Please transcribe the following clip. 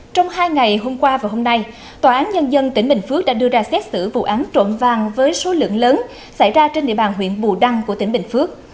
trong hai ngày hôm qua và hôm nay tòa án nhân dân tỉnh bình phước đã đưa ra xét xử vụ án trộm vàng với số lượng lớn xảy ra trên địa bàn huyện bù đăng của tỉnh bình phước